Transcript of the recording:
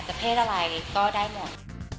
เพศอะไรก็ได้หมด